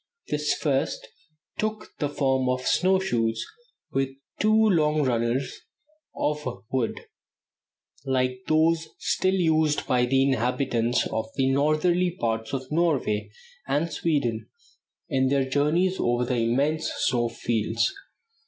This first took the form of snow shoes with two long runners of wood, like those still used by the inhabitants of the northerly parts of Norway and Sweden in their journeys over the immense snow fields.